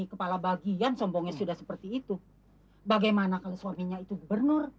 kepala bagian sombongnya sudah seperti itu bagaimana kalau suaminya itu benar